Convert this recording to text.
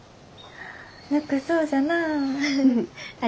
ぬくそうじゃなあ。